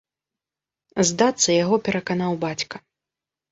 Здацца яго пераканаў бацька.